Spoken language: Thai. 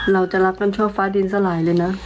เราจะรักกันชั่วฟ้าดินสลายเลยนะ